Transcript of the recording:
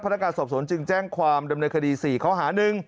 นักการสอบสวนจึงแจ้งความดำเนินคดี๔ข้อหา๑